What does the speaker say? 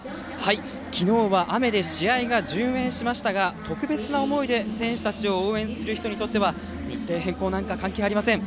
昨日は雨で試合が順延しましたが特別な思いで選手たちを応援する人たちにとっては日程変更なんか関係ありません。